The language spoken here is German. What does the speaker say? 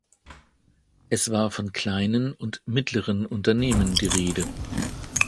Es war von kleinen und mittleren Unternehmen die Rede.